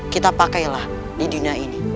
kita pakailah di dina ini